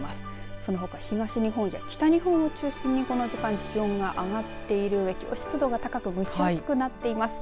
そのほか東日本や北日本を中心にこの時間気温が上がっている上湿度が高く蒸し暑くなっています。